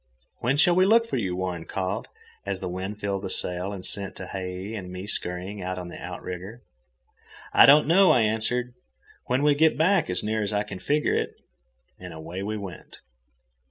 "When shall we look for you?" Warren called, as the wind filled the sail and sent Tehei and me scurrying out on the outrigger. "I don't know," I answered. "When we get back, as near as I can figure it." And away we went.